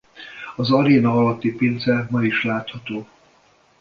Az aréna alatti pince ma is látható.